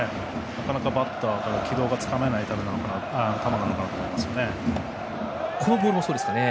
なかなかバッターから軌道がつかめない球なのかなと思います。